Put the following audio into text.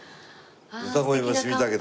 歌声も染みたけど。